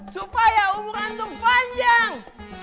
supaya umur antum panjang